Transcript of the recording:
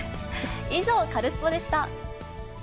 以上、カルスポっ！でした。